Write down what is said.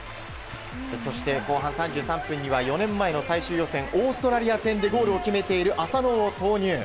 そして、後半３３分には４年前の最終予選オーストラリア戦でゴールを決めている浅野を投入。